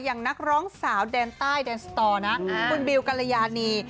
นักร้องสาวแดนใต้แดนสตอร์นะคุณบิวกัลยานี